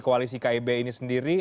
koalisi kib ini sendiri